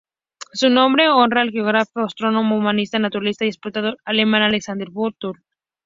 Su nombre honra al geógrafo, astrónomo, humanista, naturalista y explorador alemán Alexander von Humboldt.